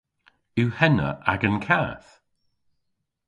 Yw henna agan kath?